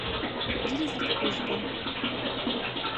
Джыри зэ къэӏожьба?